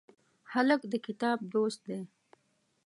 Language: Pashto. هلک د کتاب دوست دی.